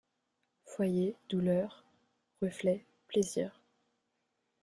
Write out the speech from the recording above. Foyer, douleur ; reflet, plaisir.